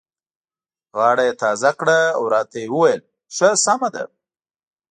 غاړه یې تازه کړه او راته یې وویل: ښه سمه ده.